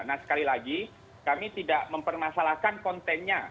nah sekali lagi kami tidak mempermasalahkan kontennya